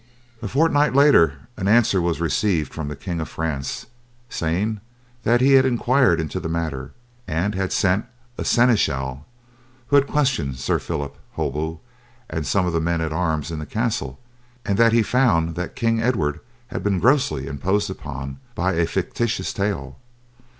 A fortnight later an answer was received from the King of France saying that he had inquired into the matter, and had sent a seneschal, who had questioned Sir Phillip Holbeaut and some of the men at arms in the castle, and that he found that King Edward had been grossly imposed upon by a fictitious tale.